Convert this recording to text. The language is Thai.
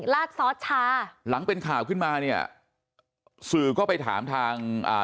ลาดซอสชาหลังเป็นข่าวขึ้นมาเนี่ยสื่อก็ไปถามทางอ่า